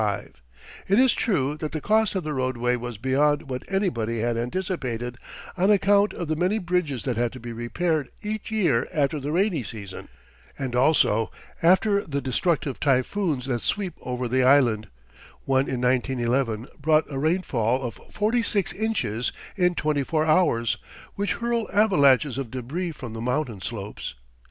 It is true that the cost of the roadway was beyond what anybody had anticipated, on account of the many bridges that had to be repaired each year after the rainy season, and also after the destructive typhoons that sweep over the island one in 1911 brought a rainfall of forty six inches in twenty four hours which hurl avalanches of débris from the mountain slopes.